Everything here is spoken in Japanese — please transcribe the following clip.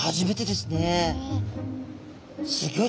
すギョい